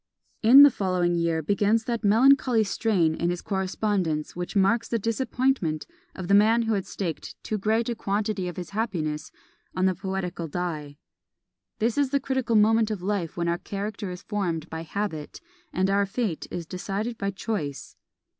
In the following year begins that melancholy strain in his correspondence which marks the disappointment of the man who had staked too great a quantity of his happiness on the poetical die. This is the critical moment of life when our character is formed by habit, and our fate is decided by choice.